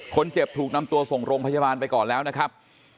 ถูกนำตัวส่งโรงพยาบาลไปก่อนแล้วนะครับ